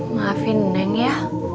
maafin neng ya